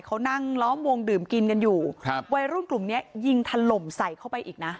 เขานั่งล้อมวงดื่มกินกันอยู่ครับวัยรุ่นกลุ่มเนี้ยยิงถล่มใส่เข้าไปอีกนะ